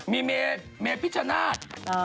มีเมฆมีเมฆพิชนาศ